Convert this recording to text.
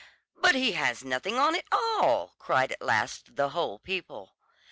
"But he has nothing on at all," cried at last the whole people.